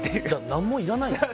何もいらないんですよ